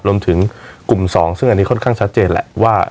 รวมถึงกลุ่ม๒ซึ่งอันนี้ค่อนข้างชัดเจนแหละว่า